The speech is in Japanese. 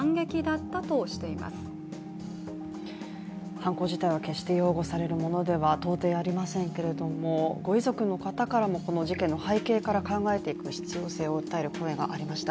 犯行自体は決して擁護されるものでは到底ありませんけれどもご遺族の方からもこの事件の背景から考える必要性を訴える声がありました。